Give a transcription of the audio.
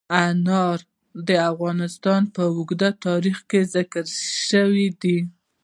انار د افغانستان په اوږده تاریخ کې ذکر شوی دی.